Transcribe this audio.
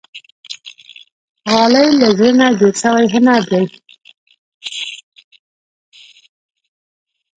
غالۍ له زړه نه جوړ شوی هنر دی.